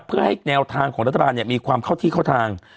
เพื่อให้แนวทางของรัฐบาลมีความเข้าที่เข้าทาง